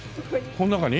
この中に？